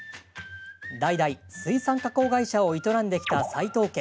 代々、水産加工会社を営んできた斉藤家。